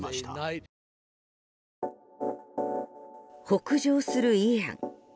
北上するイアン。